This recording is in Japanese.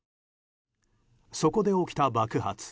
そこで起きた爆発。